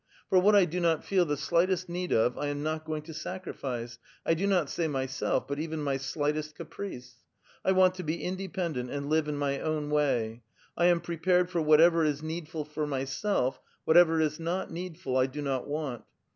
For what I do not feel the slightest need of, I am not going to sacrifice, 1 do not say myself, but even my slightest caprice. I want to be independent and live in my own way ; I am pre pared for whatever is needful for myself ; whatever is not needful 1 do not want.